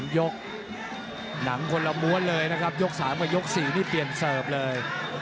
ยกหนังคนละม้วนเลยนะครับยก๓กับยก๔นี่เปลี่ยนเสิร์ฟเลย